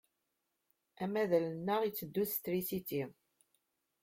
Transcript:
Amaḍal-nneɣ itteddu s trisiti.